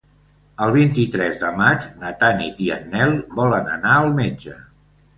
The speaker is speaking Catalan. El vint-i-tres de maig na Tanit i en Nel volen anar al metge.